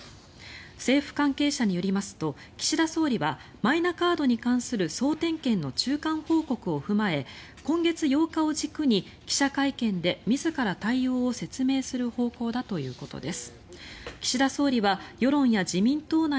政府関係者によりますと岸田総理はマイナカードに関する総点検の中間報告を踏まえ今月８日を軸に記者会見で自ら対応を説明する方向だということです。